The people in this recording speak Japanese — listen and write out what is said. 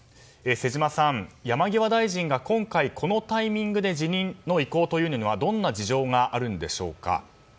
瀬島さん、山際大臣が今回このタイミングで辞任の意向というのはどんな事情があるんでしょうか。